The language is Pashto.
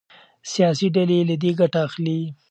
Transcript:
سياسي ډلې له دې ګټه اخلي.